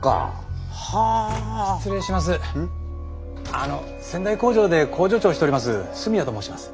あの仙台工場で工場長をしております住谷と申します。